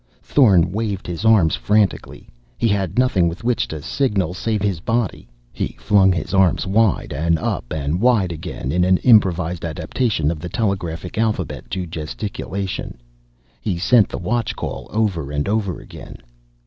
Thorn waved his arms frantically. He had nothing with which to signal save his body. He flung his arms wide, and up, and wide again, in an improvised adaption of the telegraphic alphabet to gesticulation. He sent the watch call over and over again....